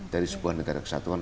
dari sebuah negara kesatuan